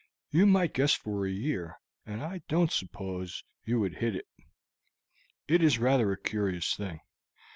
You might guess for a year, and I don't suppose that you would hit it. It is rather a curious thing.